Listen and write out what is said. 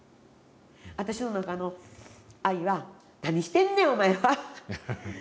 私の中の愛は「何してんねんお前は。頑張らんかい」。